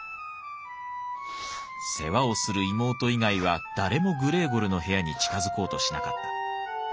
世話をする妹以外は誰もグレーゴルの部屋に近づこうとしなかった。